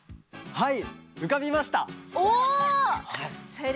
はい。